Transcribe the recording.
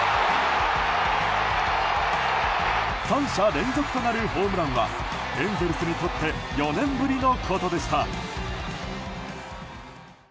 ３者連続となるホームランはエンゼルスにとって４年ぶりのことでした。